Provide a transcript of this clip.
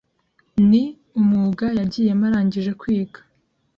Ni umwuga yagiyemo arangije kwiga